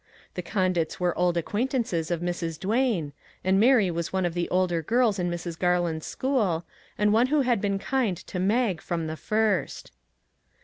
The Condits were old acquaintances of Mrs. Duane, and Mary was one of the older girls in Mrs. Garland's school, and one who had been kind to Mag from the first.